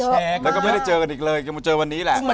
แล้วก็ไม่ได้เจอกันอีกเลยจะมาเจอวันนี้แหละ